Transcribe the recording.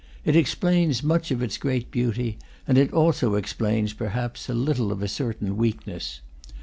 It explains much of its great beauty, and it also explains, perhaps, a little of a certain weakness.